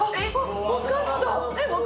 分かった。